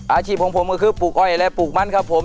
อาชีพของผมก็คือปลูกอ้อยและปลูกมันครับผม